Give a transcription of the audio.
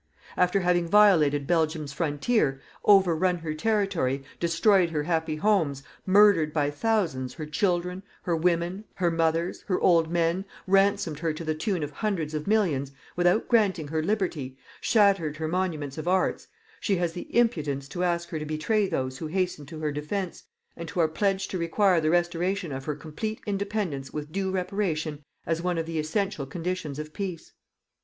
After having violated Belgium's frontier, overrun her territory, destroyed her happy homes, murdered by thousands her children, her women, her mothers, her old men, ransomed her to the tune of hundreds of millions, without granting her liberty, shattered her monuments of arts, she has the impudence to ask her to betray those who hastened to her defence, and who are pledged to require the restoration of her complete independence with due reparation as one of the essential conditions of peace.